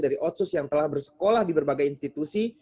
dari otsus yang telah bersekolah di berbagai institusi